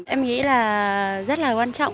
em nghĩ là rất là quan trọng